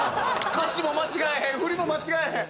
歌詞も間違えへん振りも間違えへん。